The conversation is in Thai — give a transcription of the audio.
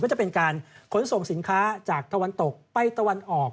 จะเป็นการขนส่งสินค้าจากตะวันตกไปตะวันออก